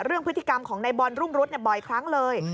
เรื่องพฤติกรรมของในบอลรุ่งรุษบ่อยครั้งเลย